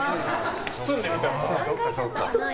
包んでみた。